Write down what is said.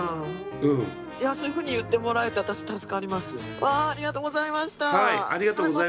いやそういうふうに言ってもらえて私助かります。